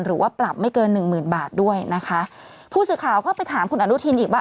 หรือว่าปรับไม่เกิน๑๐๐๐๐บาทด้วยนะคะผู้สื่อข่าวเข้าไปถามคุณอนุทินอีกว่า